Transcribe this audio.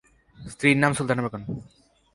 স্ত্রীর নাম সুলতানা বেগম।